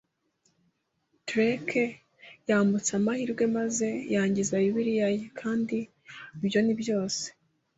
Dick yambutse amahirwe maze yangiza Bibiliya ye, kandi ibyo ni byose. ”